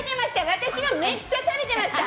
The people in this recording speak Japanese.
私は、めっちゃ食べてました！